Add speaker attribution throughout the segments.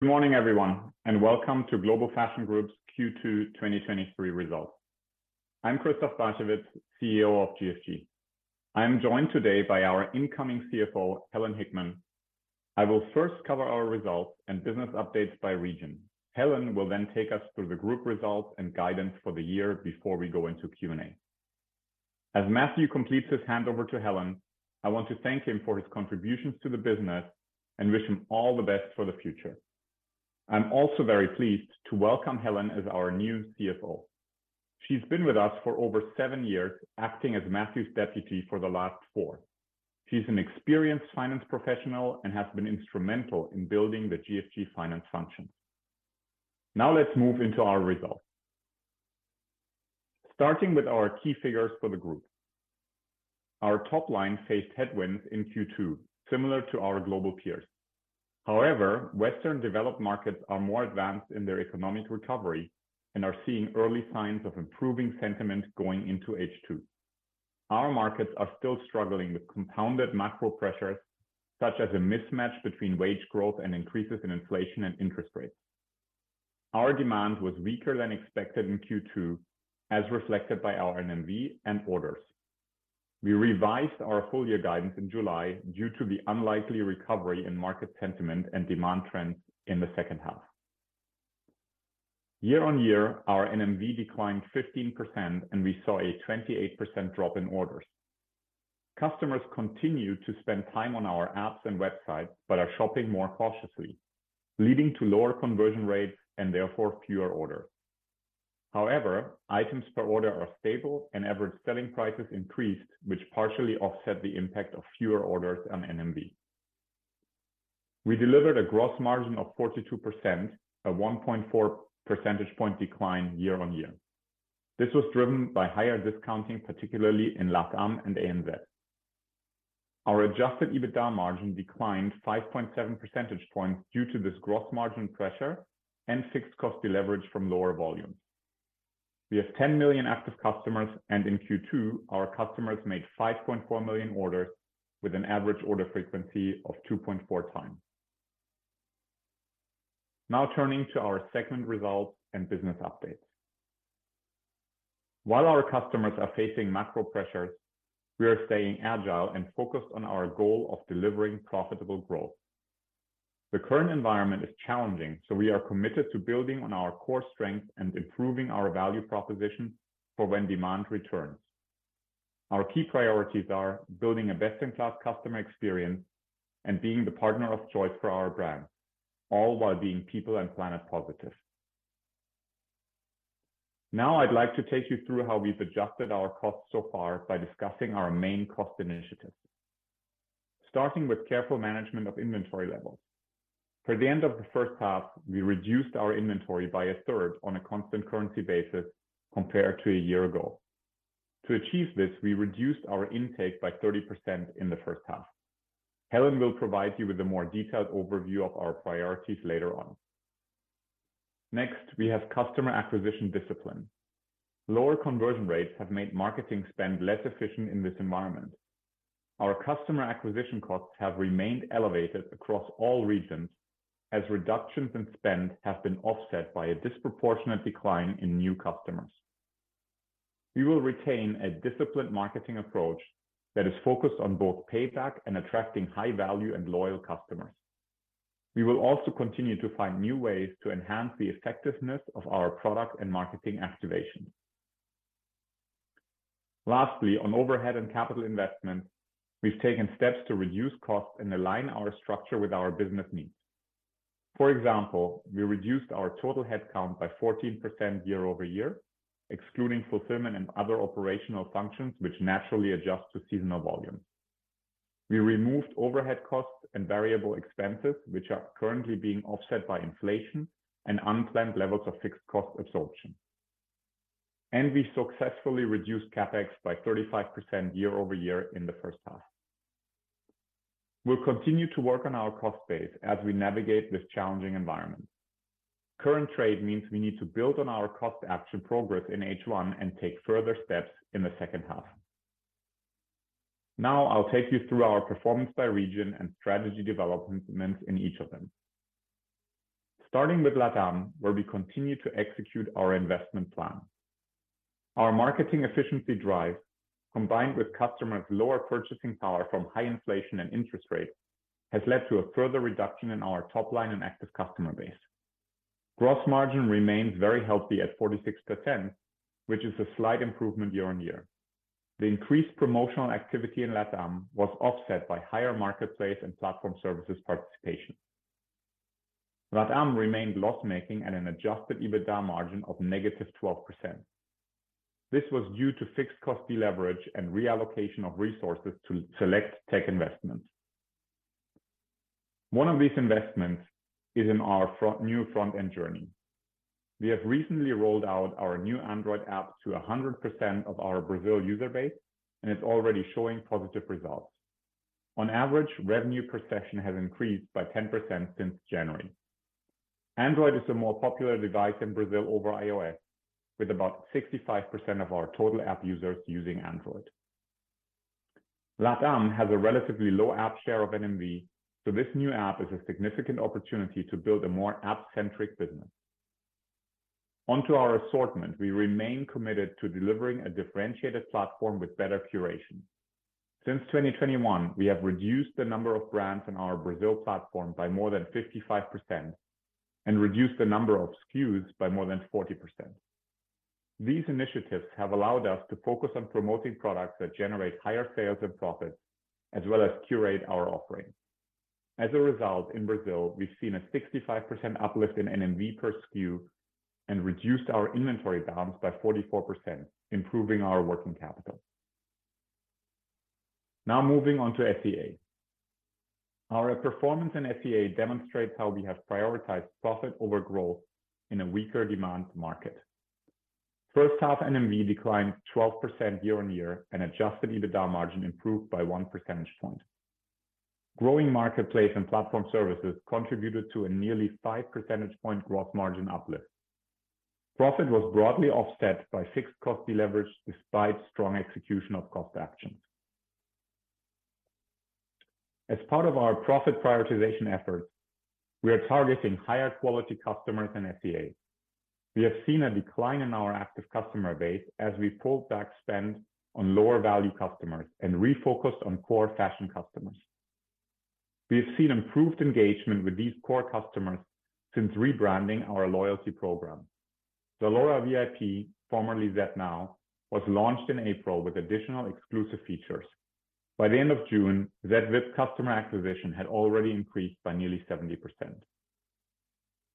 Speaker 1: Good morning, everyone, welcome to Global Fashion Group's Q2 2023 results. I'm Christoph Barchewitz, CEO of GFG. I am joined today by our incoming CFO, Helen Hickman. I will first cover our results and business updates by region. Helen will take us through the group results and guidance for the year before we go into Q&A. As Matthew completes his handover to Helen, I want to thank him for his contributions to the business and wish him all the best for the future. I'm also very pleased to welcome Helen as our new CFO. She's been with us for over seven years, acting as Matthew's deputy for the last four. She's an experienced finance professional and has been instrumental in building the GFG finance function. Let's move into our results. Starting with our key figures for the group. Our top line faced headwinds in Q2, similar to our global peers. Western developed markets are more advanced in their economic recovery and are seeing early signs of improving sentiment going into H2. Our markets are still struggling with compounded macro pressures, such as a mismatch between wage growth and increases in inflation and interest rates. Our demand was weaker than expected in Q2, as reflected by our NMV and orders. We revised our full year guidance in July due to the unlikely recovery in market sentiment and demand trends in the second half. Year-on-year, our NMV declined 15%, and we saw a 28% drop in orders. Customers continue to spend time on our apps and website, but are shopping more cautiously, leading to lower conversion rates and therefore fewer orders. Items per order are stable and average selling price increased, which partially offset the impact of fewer orders on NMV. We delivered a gross margin of 42%, a 1.4 percentage point decline year-over-year. This was driven by higher discounting, particularly in LATAM and ANZ. Our adjusted EBITDA margin declined 5.7 percentage points due to this gross margin pressure and fixed cost leverage from lower volumes. We have 10 million active customers. In Q2, our customers made 5.4 million orders with an average order frequency of 2.4 times. Turning to our segment results and business updates. While our customers are facing macro pressures, we are staying agile and focused on our goal of delivering profitable growth. The current environment is challenging, we are committed to building on our core strengths and improving our value proposition for when demand returns. Our key priorities are building a best-in-class customer experience and being the partner of choice for our brands, all while being people and planet positive. I'd like to take you through how we've adjusted our costs so far by discussing our main cost initiatives, starting with careful management of inventory levels. For the end of the H1, we reduced our inventory by a third on a constant currency basis compared to a year ago. To achieve this, we reduced our intake by 30% in the first half. Helen will provide you with a more detailed overview of our priorities later on. We have customer acquisition discipline. Lower conversion rates have made marketing spend less efficient in this environment. Our customer acquisition costs have remained elevated across all regions as reductions in spend have been offset by a disproportionate decline in new customers. We will retain a disciplined marketing approach that is focused on both payback and attracting high-value and loyal customers. We will also continue to find new ways to enhance the effectiveness of our product and marketing activations. Lastly, on overhead and capital investment, we've taken steps to reduce costs and align our structure with our business needs. For example, we reduced our total headcount by 14% year-over-year, excluding fulfillment and other operational functions, which naturally adjust to seasonal volume. We removed overhead costs and variable expenses, which are currently being offset by inflation and unplanned levels of fixed cost absorption. We successfully reduced CapEx by 35% year-over-year in the first half. We'll continue to work on our cost base as we navigate this challenging environment. Current trade means we need to build on our cost action progress in H1 and take further steps in the second half. Now, I'll take you through our performance by region and strategy developments in each of them. Starting with LATAM, where we continue to execute our investment plan. Our marketing efficiency drive, combined with customers' lower purchasing power from high inflation and interest rates, has led to a further reduction in our top line and active customer base. Gross margin remains very healthy at 46%, which is a slight improvement year-on-year. The increased promotional activity in LATAM was offset by higher marketplace and platform services participation. LATAM remained loss-making at an adjusted EBITDA margin of -12%. This was due to fixed cost deleverage and reallocation of resources to select tech investments. One of these investments is in our front, new front-end journey. We have recently rolled out our new Android app to 100% of our Brazil user base, and it's already showing positive results. On average, revenue per session has increased by 10% since January. Android is a more popular device in Brazil over iOS, with about 65% of our total app users using Android. LATAM has a relatively low app share of NMV, so this new app is a significant opportunity to build a more app-centric business. Onto our assortment, we remain committed to delivering a differentiated platform with better curation. Since 2021, we have reduced the number of brands in our Brazil platform by more than 55% and reduced the number of SKUs by more than 40%. These initiatives have allowed us to focus on promoting products that generate higher sales and profits, as well as curate our offering. As a result, in Brazil, we've seen a 65% uplift in NMV per SKU and reduced our inventory balance by 44%, improving our working capital. Now, moving on to SEA. Our performance in SEA demonstrates how we have prioritized profit over growth in a weaker demand market. H1 NMV declined 12% year-on-year. Adjusted EBITDA margin improved by one percentage point. Growing marketplace and platform services contributed to a nearly five percentage point gross margin uplift. Profit was broadly offset by fixed cost leverage despite strong execution of cost actions. As part of our profit prioritization efforts, we are targeting higher quality customers in SEA. We have seen a decline in our active customer base as we pulled back spend on lower value customers and refocused on core fashion customers. We have seen improved engagement with these core customers since rebranding our loyalty program. ZALORA VIP, formerly ZALORA NOW, was launched in April with additional exclusive features. By the end of June, ZVIP customer acquisition had already increased by nearly 70%.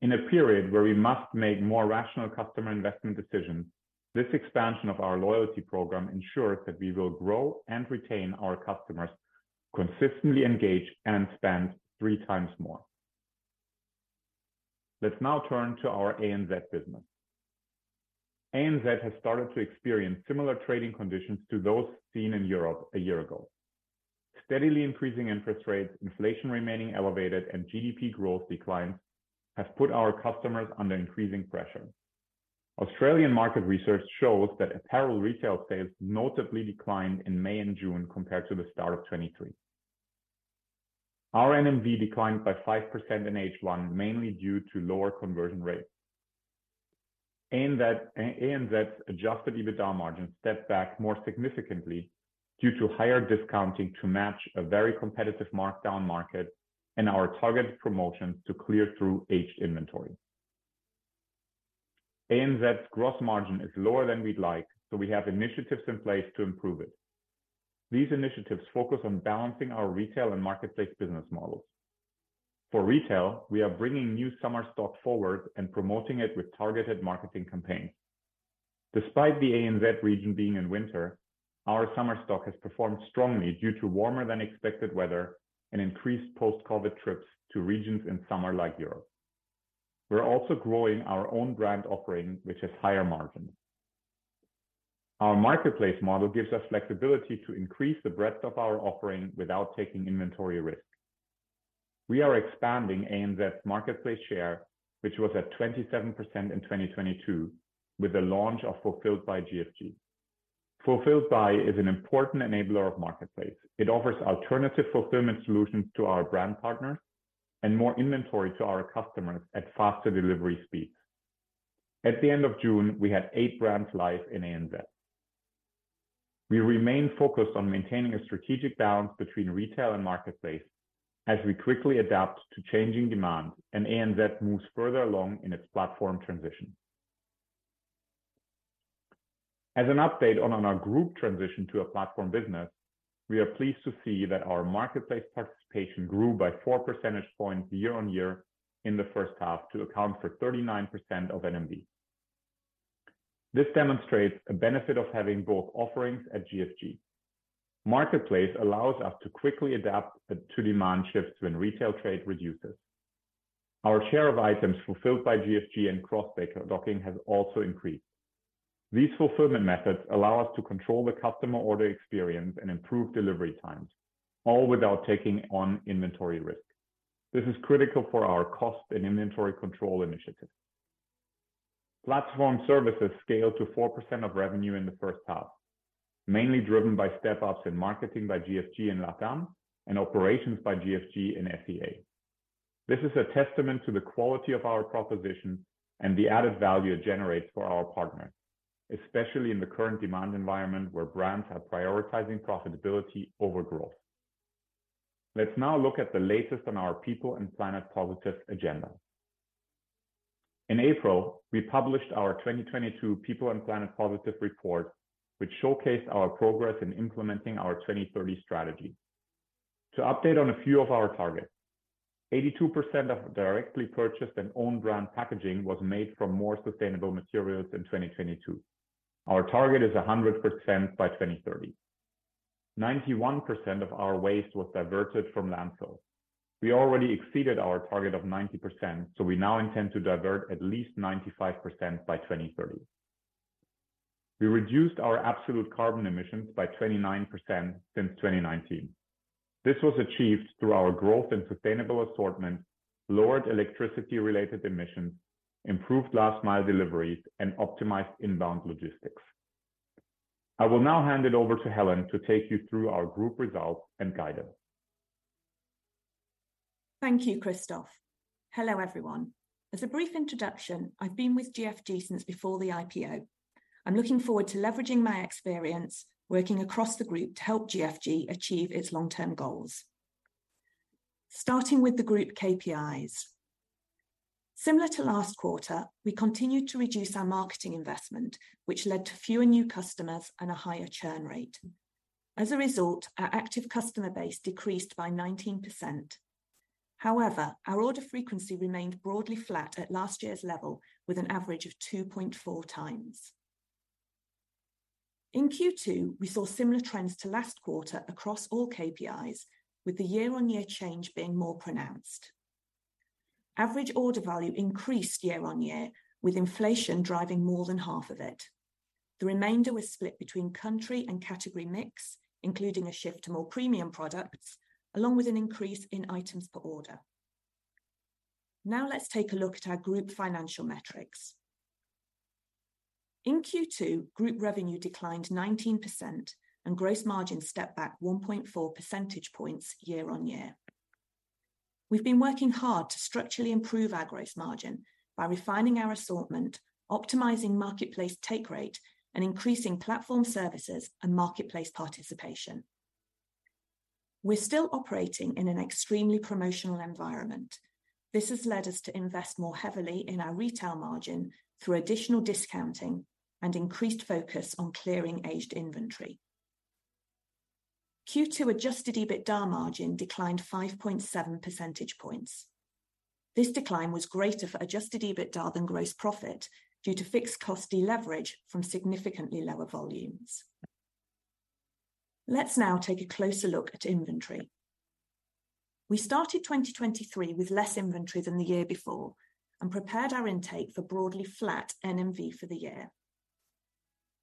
Speaker 1: In a period where we must make more rational customer investment decisions, this expansion of our loyalty program ensures that we will grow and retain our customers, consistently engage and spend three times more. Let's now turn to our ANZ business. ANZ has started to experience similar trading conditions to those seen in Europe a year ago. Steadily increasing interest rates, inflation remaining elevated, and GDP growth decline have put our customers under increasing pressure. Australian market research shows that apparel retail sales notably declined in May and June compared to the start of 2023. Our NMV declined by 5% in H1, mainly due to lower conversion rates. That ANZ's adjusted EBITDA margin stepped back more significantly due to higher discounting to match a very competitive markdown market and our targeted promotions to clear through aged inventory. ANZ's gross margin is lower than we'd like, so we have initiatives in place to improve it. These initiatives focus on balancing our retail and marketplace business models. For retail, we are bringing new summer stock forward and promoting it with targeted marketing campaigns. Despite the ANZ region being in winter, our summer stock has performed strongly due to warmer than expected weather and increased post-COVID trips to regions in summer like Europe. We're also growing our own brand offering, which has higher margins. Our marketplace model gives us flexibility to increase the breadth of our offering without taking inventory risk. We are expanding ANZ's marketplace share, which was at 27% in 2022, with the launch of Fulfilled by GFG. Fulfilled by is an important enabler of marketplace. It offers alternative fulfillment solutions to our brand partners and more inventory to our customers at faster delivery speeds. At the end of June, we had eight brands live in ANZ. We remain focused on maintaining a strategic balance between retail and marketplace as we quickly adapt to changing demand and ANZ moves further along in its platform transition. As an update on our group transition to a platform business, we are pleased to see that our marketplace participation grew by four percentage points year on year in the first half to account for 39% of NMV. This demonstrates a benefit of having both offerings at GFG. Marketplace allows us to quickly adapt to demand shifts when retail trade reduces. Our share of items Fulfilled by GFG and cross-docking has also increased. These fulfillment methods allow us to control the customer order experience and improve delivery times, all without taking on inventory risk. This is critical for our cost and inventory control initiatives. Platform services scaled to 4% of revenue in the first half, mainly driven by step-ups in Marketing by GFG in LATAM and operations by GFG in SEA. This is a testament to the quality of our proposition and the added value it generates for our partners, especially in the current demand environment, where brands are prioritizing profitability over growth. Let's now look at the latest on our people and planet positive agenda. In April, we published our 2022 People & Planet Positive Report, which showcased our progress in implementing our 2030 strategy. To update on a few of our targets, 82% of directly purchased and own brand packaging was made from more sustainable materials in 2022. Our target is 100% by 2030. 91% of our waste was diverted from landfill. We already exceeded our target of 90%, so we now intend to divert at least 95% by 2030. We reduced our absolute carbon emissions by 29% since 2019. This was achieved through our growth and sustainable assortment, lowered electricity-related emissions, improved last mile deliveries, and optimized inbound logistics. I will now hand it over to Helen to take you through our group results and guidance.
Speaker 2: Thank you, Christoph. Hello, everyone. As a brief introduction, I've been with GFG since before the IPO. I'm looking forward to leveraging my experience working across the group to help GFG achieve its long-term goals. Starting with the group KPIs. Similar to last quarter, we continued to reduce our marketing investment, which led to fewer new customers and a higher churn rate. As a result, our active customer base decreased by 19%. However, our order frequency remained broadly flat at last year's level, with an average of 2.4 times. In Q2, we saw similar trends to last quarter across all KPIs, with the year-on-year change being more pronounced. Average order value increased year-on-year, with inflation driving more than half of it. The remainder was split between country and category mix, including a shift to more premium products, along with an increase in items per order. Now let's take a look at our group financial metrics. In Q2, group revenue declined 19%, and gross margin stepped back 1.4 percentage points year-on-year. We've been working hard to structurally improve our gross margin by refining our assortment, optimizing marketplace take rate, and increasing platform services and marketplace participation. We're still operating in an extremely promotional environment. This has led us to invest more heavily in our retail margin through additional discounting and increased focus on clearing aged inventory. Q2 adjusted EBITDA margin declined 5.7 percentage points. This decline was greater for adjusted EBITDA than gross profit due to fixed cost deleverage from significantly lower volumes. Let's now take a closer look at inventory. We started 2023 with less inventory than the year before and prepared our intake for broadly flat NMV for the year.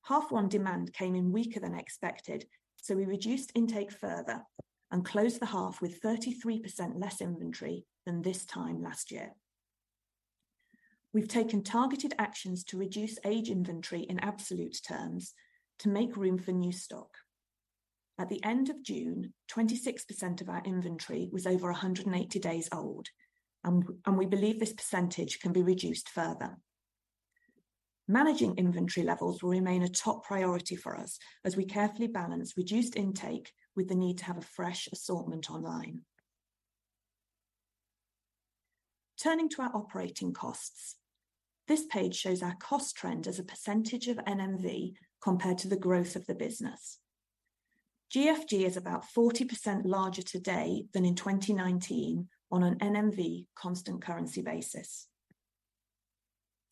Speaker 2: Half one demand came in weaker than expected, so we reduced intake further and closed the half with 33% less inventory than this time last year. We've taken targeted actions to reduce age inventory in absolute terms to make room for new stock. At the end of June, 26% of our inventory was over 180 days old, and we believe this percentage can be reduced further. Managing inventory levels will remain a top priority for us as we carefully balance reduced intake with the need to have a fresh assortment online. Turning to our operating costs, this page shows our cost trend as a % of NMV compared to the growth of the business. GFG is about 40% larger today than in 2019 on an NMV constant currency basis.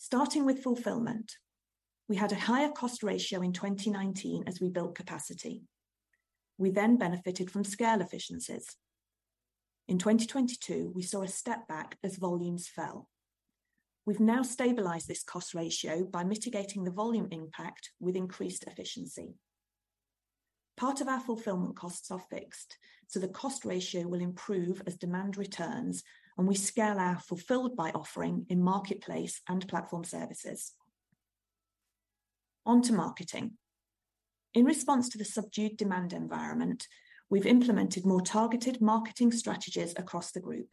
Speaker 2: Starting with fulfillment, we had a higher cost ratio in 2019 as we built capacity. We benefited from scale efficiencies. In 2022, we saw a step back as volumes fell. We've now stabilized this cost ratio by mitigating the volume impact with increased efficiency. Part of our fulfillment costs are fixed, the cost ratio will improve as demand returns and we scale our fulfilled by offering in marketplace and platform services. Onto marketing. In response to the subdued demand environment, we've implemented more targeted marketing strategies across the group.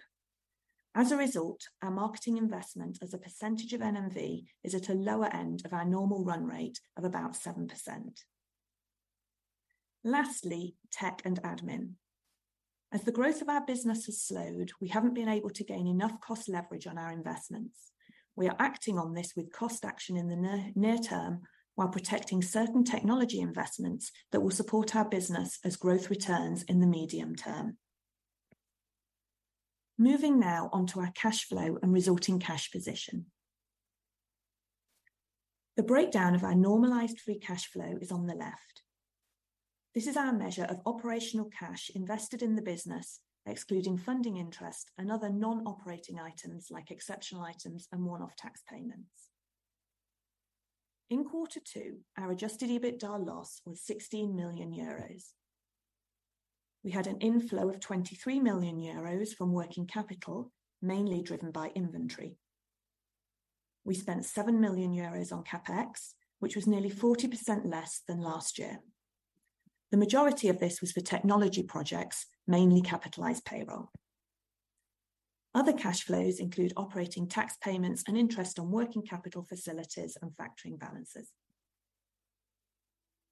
Speaker 2: As a result, our marketing investment as a percentage of NMV is at a lower end of our normal run rate of about 7%. Lastly, tech and admin. As the growth of our business has slowed, we haven't been able to gain enough cost leverage on our investments. We are acting on this with cost action in the near, near term, while protecting certain technology investments that will support our business as growth returns in the medium term. Moving now onto our cash flow and resulting cash position. The breakdown of our normalized free cash flow is on the left. This is our measure of operational cash invested in the business, excluding funding interest and other non-operating items like exceptional items and one-off tax payments. In quarter two, our adjusted EBITDA loss was 16 million euros. We had an inflow of 23 million euros from working capital, mainly driven by inventory. We spent 7 million euros on CapEx, which was nearly 40% less than last year. The majority of this was for technology projects, mainly capitalized payroll. Other cash flows include operating tax payments and interest on working capital facilities and factoring balances.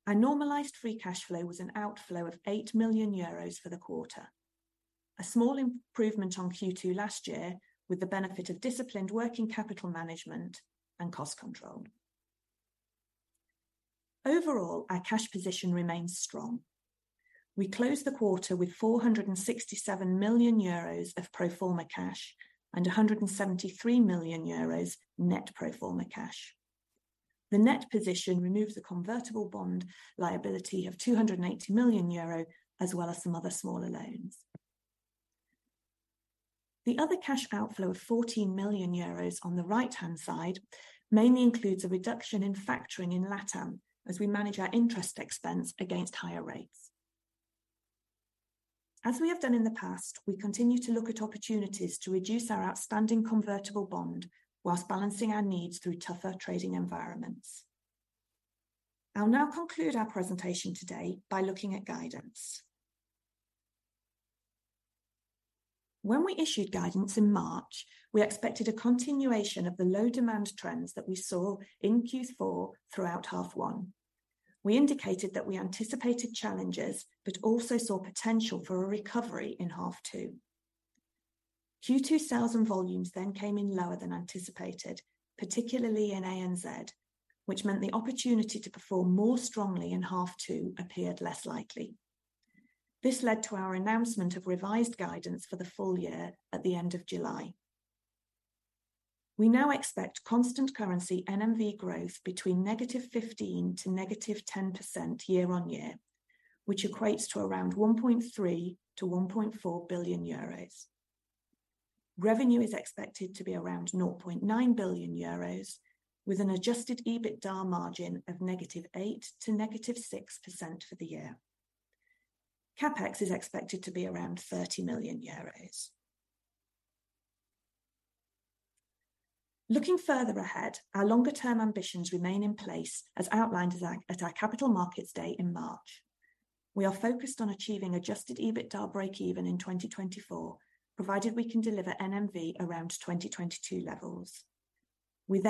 Speaker 2: Our normalized free cash flow was an outflow of 8 million euros for the quarter, a small improvement on Q2 last year, with the benefit of disciplined working capital management and cost control. Overall, our cash position remains strong. We closed the quarter with 467 million euros of pro forma cash and 173 million euros net pro forma cash. The net position removes a convertible bond liability of 280 million euro, as well as some other smaller loans. The other cash outflow of 14 million euros on the right-hand side, mainly includes a reduction in factoring in LATAM as we manage our interest expense against higher rates. As we have done in the past, we continue to look at opportunities to reduce our outstanding convertible bond whilst balancing our needs through tougher trading environments. I'll now conclude our presentation today by looking at guidance. When we issued guidance in March, we expected a continuation of the low demand trends that we saw in Q4 throughout half one. We indicated that we anticipated challenges, but also saw potential for a recovery in half two. Q2 sales and volumes then came in lower than anticipated, particularly in ANZ, which meant the opportunity to perform more strongly in half two appeared less likely. This led to our announcement of revised guidance for the full year at the end of July. We now expect constant currency NMV growth between -15% to -10% year-on-year, which equates to around 1.3 billion-1.4 billion euros. Revenue is expected to be around 0.9 billion euros, with an adjusted EBITDA margin of -8% to -6% for the year. CapEx is expected to be around 30 million euros. Looking further ahead, our longer term ambitions remain in place as outlined at our Capital Markets Day in March. We are focused on achieving adjusted EBITDA break even in 2024, provided we can deliver NMV around 2022 levels. We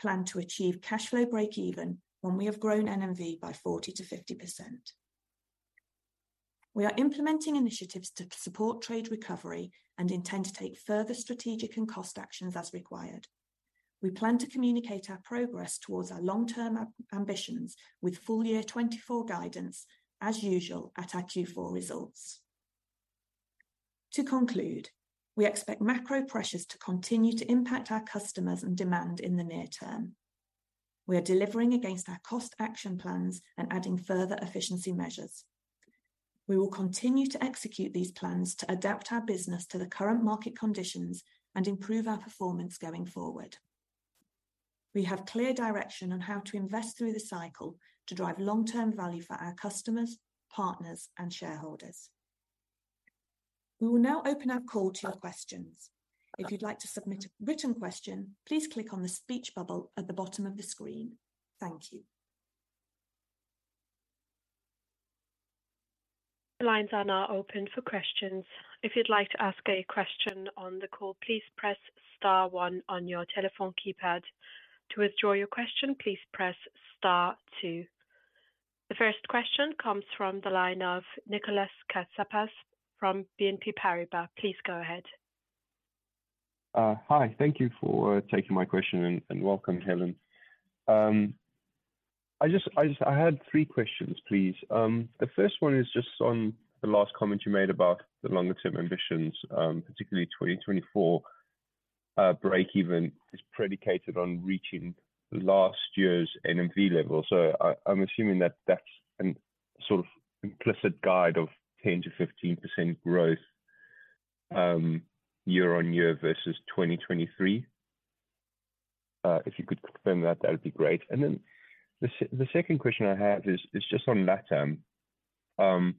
Speaker 2: plan to achieve cash flow break even when we have grown NMV by 40%-50%. We are implementing initiatives to support trade recovery and intend to take further strategic and cost actions as required. We plan to communicate our progress towards our long-term ambitions with full year 2024 guidance, as usual, at our Q4 results. To conclude, we expect macro pressures to continue to impact our customers and demand in the near term. We are delivering against our cost action plans and adding further efficiency measures. We will continue to execute these plans to adapt our business to the current market conditions and improve our performance going forward. We have clear direction on how to invest through the cycle to drive long-term value for our customers, partners, and shareholders. We will now open our call to your questions. If you'd like to submit a written question, please click on the speech bubble at the bottom of the screen. Thank you.
Speaker 3: The lines are now open for questions. If you'd like to ask a question on the call, please press star one on your telephone keypad. To withdraw your question, please press star two. The first question comes from the line of Nicolas Katsapas from BNP Paribas. Please go ahead.
Speaker 4: Hi, thank you for taking my question and, and welcome, Helen. I had three questions, please. The first one is just on the last comment you made about the longer term ambitions, particularly 2024, break even is predicated on reaching last year's NMV level. I'm assuming that that's an sort of implicit guide of 10%-15% growth, year-on-year versus 2023. If you could confirm that, that would be great. The second question I have is, is just on LATAM.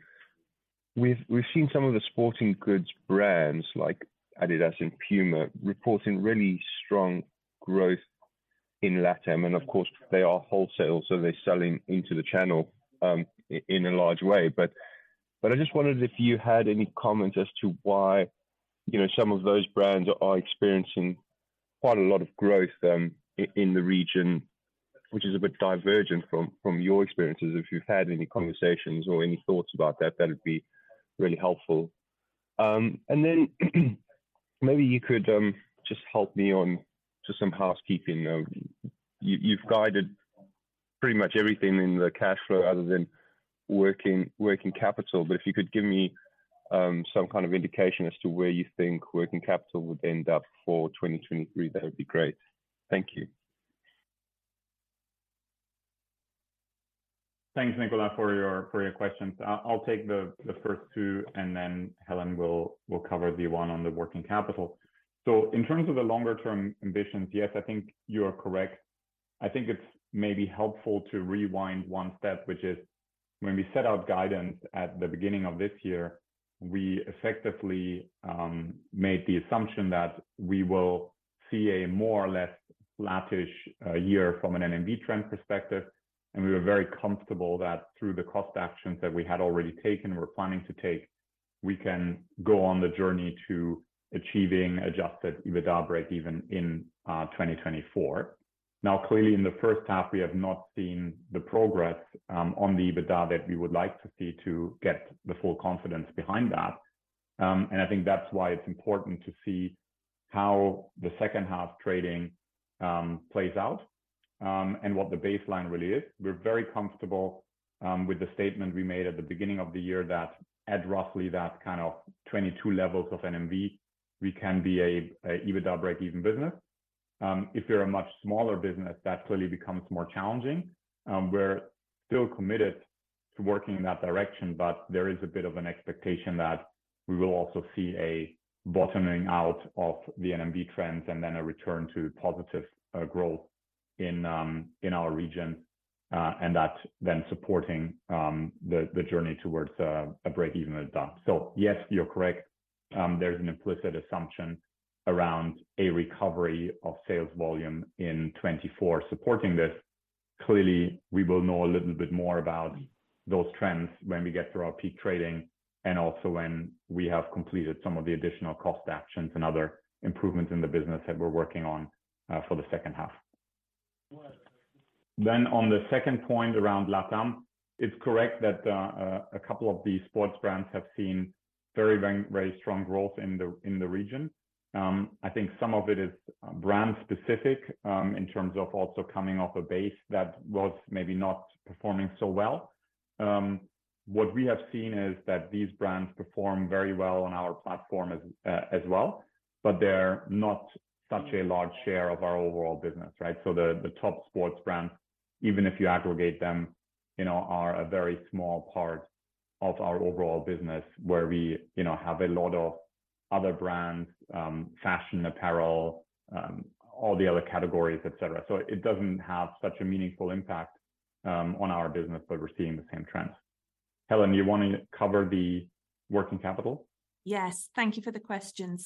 Speaker 4: We've, we've seen some of the sporting goods brands like Adidas and Puma, reporting really strong growth in LATAM, and of course, they are wholesale, so they're selling into the channel, in a large way. But I just wondered if you had any comments as to why, you know, some of those brands are experiencing quite a lot of growth, in the region, which is a bit divergent from, from your experiences. If you've had any conversations or any thoughts about that, that would be really helpful. Then maybe you could just help me on to some housekeeping. You, you've guided pretty much everything in the cash flow other than working, working capital, but if you could give me some kind of indication as to where you think working capital would end up for 2023, that would be great. Thank you.
Speaker 1: Thanks, Nicolas, for your, for your questions. I, I'll take the, the first two, then Helen will, will cover the one on the working capital. In terms of the longer term ambitions, yes, I think you are correct. I think it's maybe helpful to rewind one step, which is when we set out guidance at the beginning of this year, we effectively made the assumption that we will see a more or less flattish year from an NMV trend perspective. We were very comfortable that through the cost actions that we had already taken, we're planning to take, we can go on the journey to achieving adjusted EBITDA break even in 2024. Clearly, in the first half, we have not seen the progress on the EBITDA that we would like to see to get the full confidence behind that. I think that's why it's important to see how the second half trading plays out, and what the baseline really is. We're very comfortable with the statement we made at the beginning of the year that at roughly that kind of 22 levels of NMV, we can be a, a EBITDA break-even business. If you're a much smaller business, that clearly becomes more challenging. We're still committed to working in that direction, but there is a bit of an expectation that we will also see a bottoming out of the NMV trends and then a return to positive growth in our region. That's then supporting the journey towards a break-even at done. Yes, you're correct. There's an implicit assumption around a recovery of sales volume in 2024 supporting this. Clearly, we will know a little bit more about those trends when we get through our peak trading and also when we have completed some of the additional cost actions and other improvements in the business that we're working on for the H2. On the second point around LATAM, it's correct that two of the sports brands have seen very, very, very strong growth in the region. I think some of it is brand specific, in terms of also coming off a base that was maybe not performing so well. What we have seen is that these brands perform very well on our platform as well, but they're not such a large share of our overall business, right? The, the top sports brands, even if you aggregate them, you know, are a very small part of our overall business, where we, you know, have a lot of other brands, fashion, apparel, all the other categories, et cetera. It doesn't have such a meaningful impact on our business, but we're seeing the same trends. Helen, do you want to cover the working capital?
Speaker 2: Yes. Thank you for the question.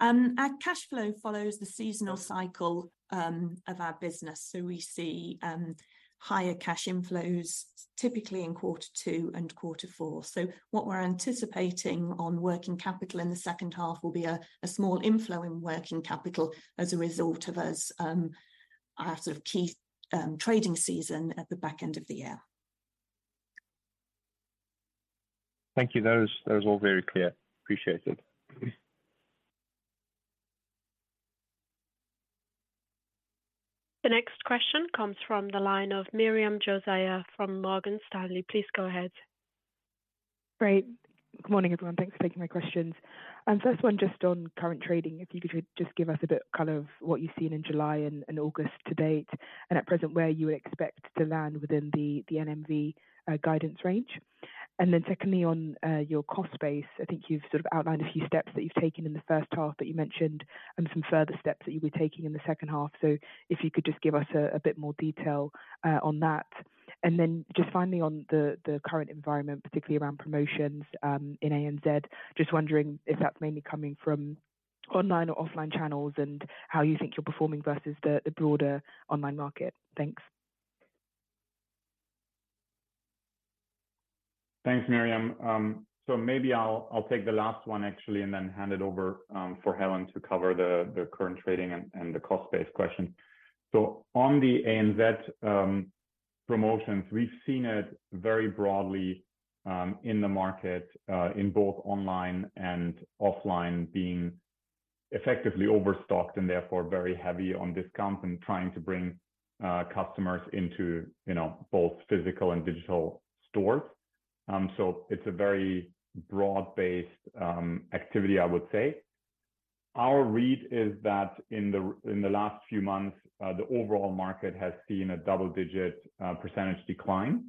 Speaker 2: Our cash flow follows the seasonal cycle of our business. We see higher cash inflows typically in quarter two and quarter four. What we're anticipating on working capital in the second half will be a small inflow in working capital as a result of us, our sort of key trading season at the back end of the year.
Speaker 4: Thank you. That was, that was all very clear. Appreciate it.
Speaker 3: The next question comes from the line of Miriam Josiah from Morgan Stanley. Please go ahead.
Speaker 5: Great. Good morning, everyone. Thanks for taking my questions. First one, just on current trading, if you could just give us a bit, kind of what you've seen in July and August to date, and at present, where you would expect to land within the NMV guidance range. Secondly, on your cost base, I think you've sort of outlined a few steps that you've taken in the first half that you mentioned, and some further steps that you'll be taking in the second half. If you could just give us a bit more detail on that. Finally on the current environment, particularly around promotions in ANZ, just wondering if that's mainly coming from online or offline channels, and how you think you're performing versus the broader online market. Thanks.
Speaker 1: Thanks, Miriam. Maybe I'll, I'll take the last one, actually, and then hand it over, for Helen to cover the, the current trading and, and the cost base question. On the ANZ, promotions, we've seen it very broadly, in the market, in both online and offline, being effectively overstocked and therefore very heavy on discount and trying to bring, customers into, you know, both physical and digital stores. It's a very broad-based, activity, I would say. Our read is that in the, in the last few months, the overall market has seen a double-digit % decline.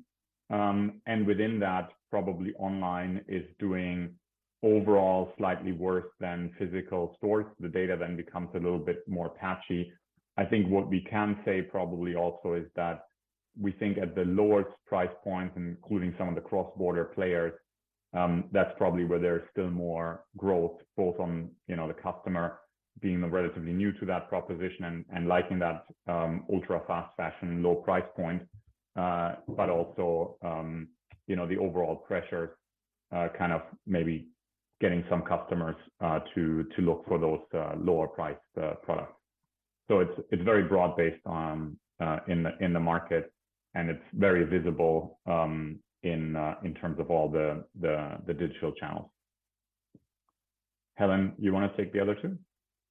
Speaker 1: Within that, probably online is doing overall slightly worse than physical stores. The data then becomes a little bit more patchy. I think what we can say probably also is that we think at the lowest price points, including some of the cross-border players, that's probably where there's still more growth, both on, you know, the customer being relatively new to that proposition and, and liking that, ultra-fast fashion, low price point, but also, you know, the overall pressure, kind of maybe getting some customers, to, to look for those, lower priced, products. It's, it's very broad-based, in the, in the market, and it's very visible, in, in terms of all the, the, the digital channels. Helen, you want to take the other two?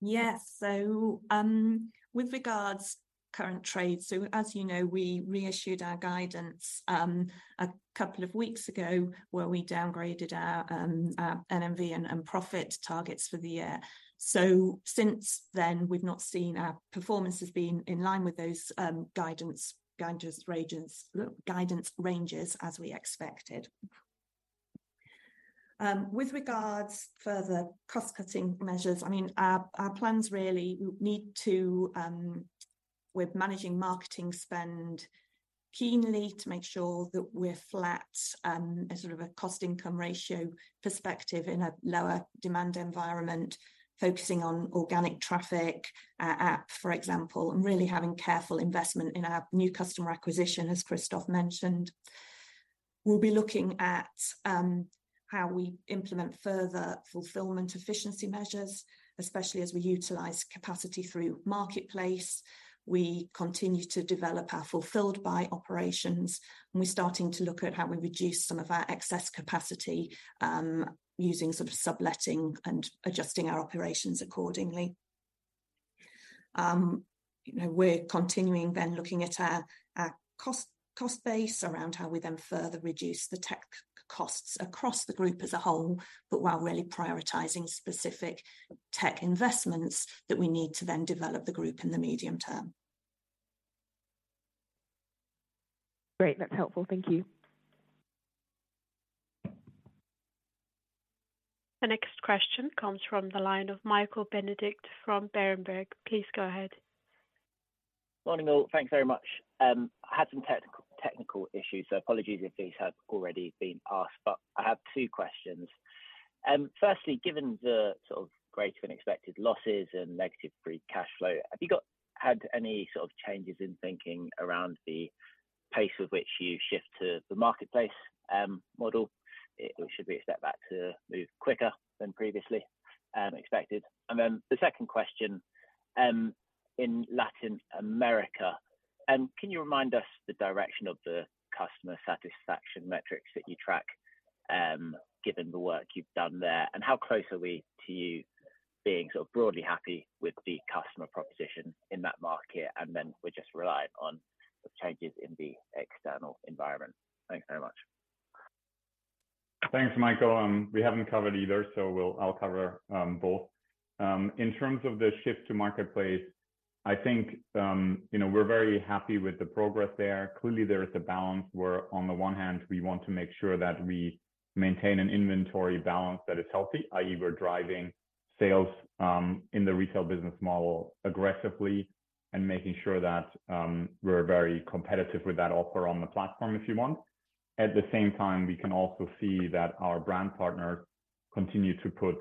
Speaker 2: Yes. With regards current trade, as you know, we reissued our guidance a couple of weeks ago, where we downgraded our NMV and profit targets for the year. Since then, we've not seen our performance has been in line with those guidance, guidance ranges, guidance ranges as we expected. With regards further cost-cutting measures, I mean, our plans really need to with managing marketing spend keenly to make sure that we're flat as sort of a cost-income ratio perspective in a lower demand environment, focusing on organic traffic, app, for example, and really having careful investment in our new customer acquisition, as Christoph mentioned. We'll be looking at how we implement further fulfillment efficiency measures, especially as we utilize capacity through marketplace. We continue to develop our fulfilled by operations, and we're starting to look at how we reduce some of our excess capacity, using sort of subletting and adjusting our operations accordingly. you know, we're continuing then looking at our, our cost, cost base around how we then further reduce the tech costs across the group as a whole, but while really prioritizing specific tech investments that we need to then develop the group in the medium term.
Speaker 6: Great, that's helpful. Thank you.
Speaker 3: The next question comes from the line of Michael Benedict from Berenberg. Please go ahead.
Speaker 6: Morning, all. Thanks very much. I had some technical, technical issues, so apologies if these have already been asked, but I have two questions. Firstly, given the sort of greater than expected losses and negative free cash flow, had any sort of changes in thinking around the pace with which you shift to the marketplace model? It should be a step back to move quicker than previously expected. The second question, in Latin America, Can you remind us the direction of the customer satisfaction metrics that you track, given the work you've done there? How close are we to you being sort of broadly happy with the customer proposition in that market, Then we're just relying on the changes in the external environment? Thanks very much.
Speaker 1: Thanks, Michael. We haven't covered either, so we'll- I'll cover both. In terms of the shift to marketplace, I think, you know, we're very happy with the progress there. Clearly, there is a balance where on the one hand, we want to make sure that we maintain an inventory balance that is healthy, i.e., we're driving sales in the retail business model aggressively and making sure that we're very competitive with that offer on the platform, if you want. At the same time, we can also see that our brand partners continue to put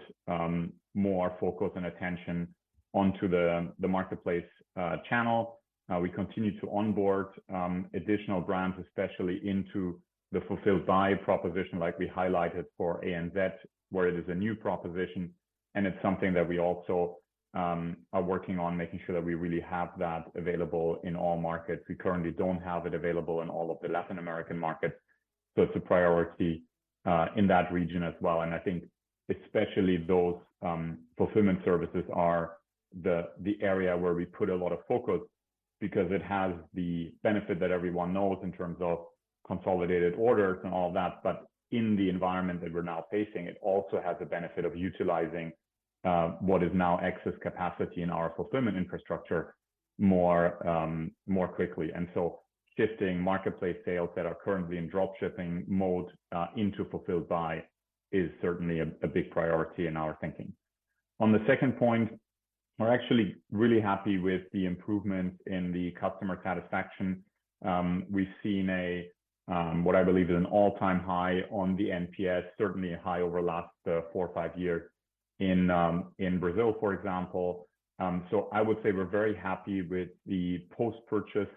Speaker 1: more focus and attention onto the marketplace channel. We continue to onboard additional brands, especially into the fulfilled by proposition, like we highlighted for ANZ, where it is a new proposition, and it's something that we also are working on, making sure that we really have that available in all markets. We currently don't have it available in all of the Latin American markets, so it's a priority in that region as well. I think especially those fulfillment services are the area where we put a lot of focus because it has the benefit that everyone knows in terms of consolidated orders and all that. In the environment that we're now facing, it also has the benefit of utilizing what is now excess capacity in our fulfillment infrastructure more quickly. Shifting marketplace sales that are currently in drop shipping mode into fulfilled by is certainly a big priority in our thinking. On the second point, we're actually really happy with the improvement in the customer satisfaction. We've seen a what I believe is an all-time high on the NPS, certainly a high over the last four or five years in Brazil, for example. I would say we're very happy with the post-purchase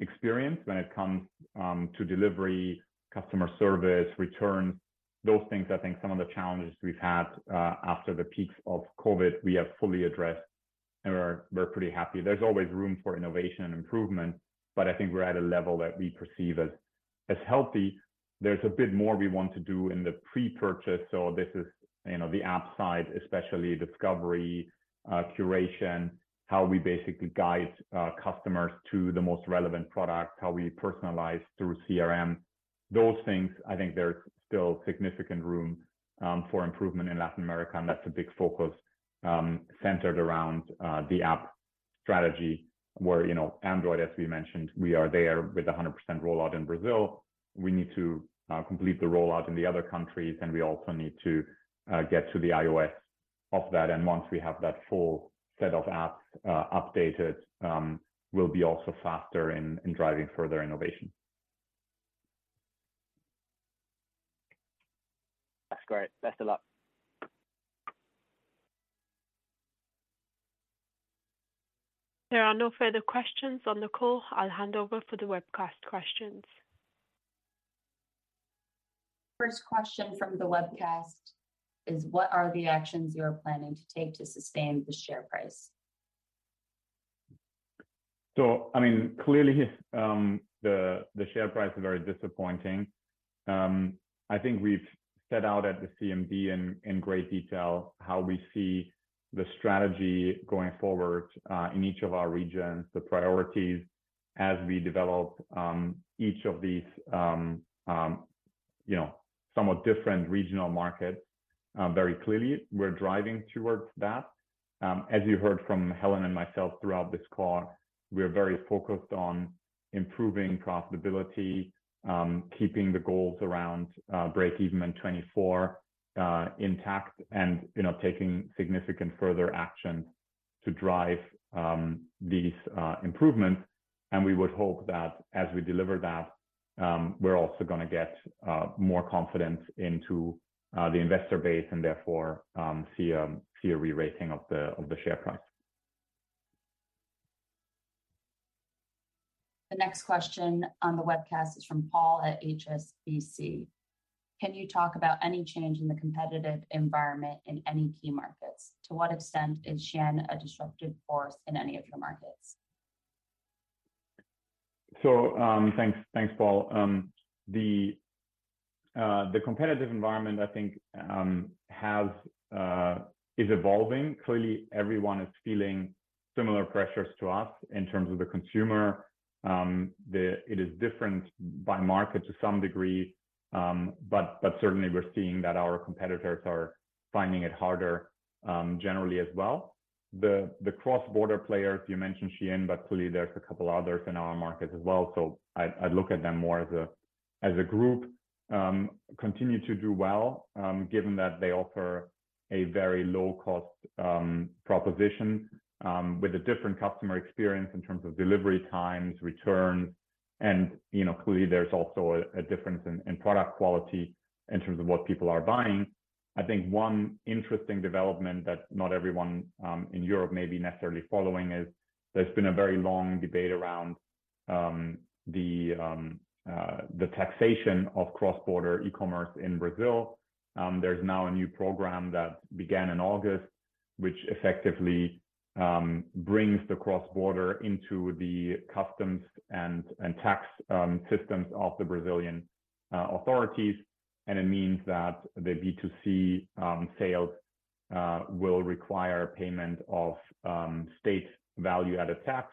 Speaker 1: experience when it comes to delivery, customer service, return, those things. I think some of the challenges we've had, after the peaks of COVID, we have fully addressed, and we're pretty happy. There's always room for innovation and improvement, but I think we're at a level that we perceive as healthy. There's a bit more we want to do in the pre-purchase, so this is, you know, the app side, especially discovery, curation, how we basically guide, customers to the most relevant product, how we personalize through CRM. Those things, I think there's still significant room for improvement in Latin America, and that's a big focus centered around the app strategy, where, you know, Android, as we mentioned, we are there with a 100% rollout in Brazil. We need to complete the rollout in the other countries, and we also need to get to the iOS of that. Once we have that full set of apps updated, we'll be also faster in, in driving further innovation.
Speaker 6: That's great. Best of luck.
Speaker 3: There are no further questions on the call. I'll hand over for the webcast questions.
Speaker 7: First question from the webcast is, what are the actions you are planning to take to sustain the share price?
Speaker 1: I mean, clearly, the, the share price is very disappointing. I think we've set out at the CMD in, in great detail how we see the strategy going forward, in each of our regions, the priorities as we develop, each of these, you know, somewhat different regional markets. Very clearly, we're driving towards that. As you heard from Helen and myself throughout this call, we are very focused on improving profitability, keeping the goals around, breakeven in 2024, intact, and, you know, taking significant further action to drive, these, improvements. We would hope that as we deliver that, we're also going to get, more confidence into, the investor base and therefore, see a, see a rerating of the, of the share price.
Speaker 7: The next question on the webcast is from Paul at HSBC. Can you talk about any change in the competitive environment in any key markets? To what extent is Shein a disruptive force in any of your markets?
Speaker 1: Thanks, thanks, Paul. The competitive environment, I think, has is evolving. Clearly, everyone is feeling similar pressures to us in terms of the consumer. It is different by market to some degree, but certainly we're seeing that our competitors are finding it harder, generally as well. The cross-border players, you mentioned Shein, but clearly there's a couple others in our market as well. I'd, I'd look at them more as a, as a group, continue to do well, given that they offer a very low cost proposition, with a different customer experience in terms of delivery times, returns, and, you know, clearly there's also a difference in product quality in terms of what people are buying. I think one interesting development that not everyone in Europe may be necessarily following is there's been a very long debate around the taxation of cross-border e-commerce in Brazil. There's now a new program that began in August, which effectively brings the cross-border into the Customs and tax systems of the Brazilian authorities. It means that the B2C sales will require payment of state value added tax,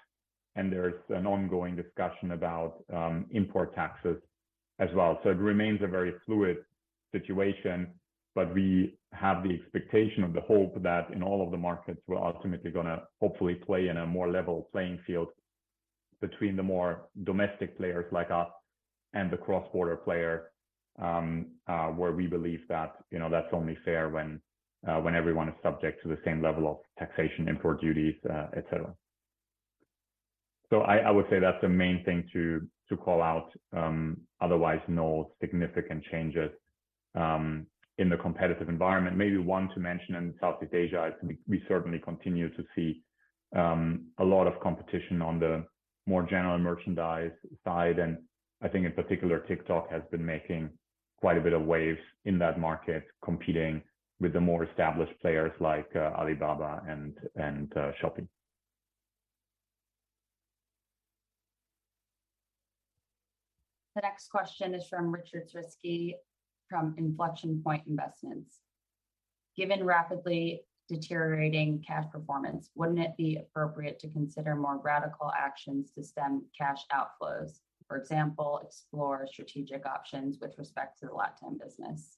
Speaker 1: and there's an ongoing discussion about import taxes as well. it remains a very fluid situation, but we have the expectation of the hope that in all of the markets, we're ultimately gonna hopefully play in a more level playing field between the more domestic players like us and the cross-border player, where we believe that, you know, that's only fair when everyone is subject to the same level of taxation, import duties, et cetera. I, I would say that's the main thing to, to call out. Otherwise, no significant changes in the competitive environment. Maybe one to mention in Southeast Asia is we, we certainly continue to see a lot of competition on the more general merchandise side, and I think in particular, TikTok has been making quite a bit of waves in that market, competing with the more established players like, Alibaba and, and, Shopee.
Speaker 7: The next question is from Riccardo Trisciuzzi, from Inflection Point Investments. Given rapidly deteriorating cash performance, wouldn't it be appropriate to consider more radical actions to stem cash outflows? For example, explore strategic options with respect to the LATAM business.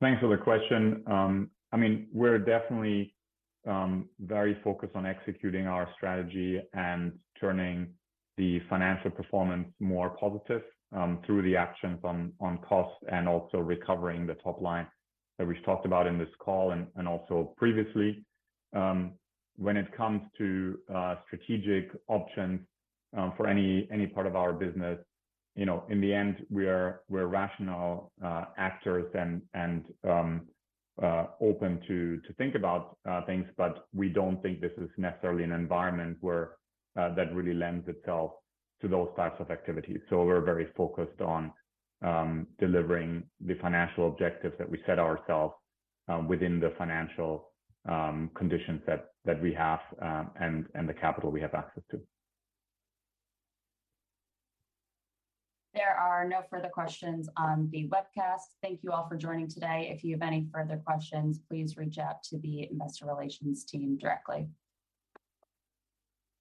Speaker 1: Thanks for the question. I mean, we're definitely very focused on executing our strategy and turning the financial performance more positive through the actions on cost and also recovering the top line that we've talked about in this call and also previously. When it comes to strategic options for any part of our business, you know, in the end, we are, we're rational actors and open to think about things, we don't think this is necessarily an environment where that really lends itself to those types of activities. We're very focused on delivering the financial objectives that we set ourselves within the financial conditions that we have and the capital we have access to.
Speaker 7: There are no further questions on the webcast. Thank you all for joining today. If you have any further questions, please reach out to the investor relations team directly.